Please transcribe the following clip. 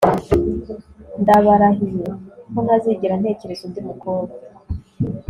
ndabarahiye ko ntazigera ntekereza undi mukobwa